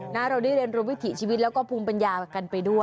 เราได้เรียนรู้วิถีชีวิตแล้วก็ภูมิปัญญากันไปด้วย